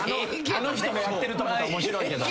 あの人がやってると思ったら面白いけど。